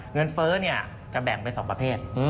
เฟ้อจะแบ่งเป็น๒ประเภท